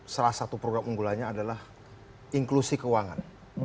salah satu produk unggulannya adalah inklusi keuangan